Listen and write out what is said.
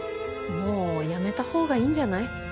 もうやめたほうがいいんじゃない？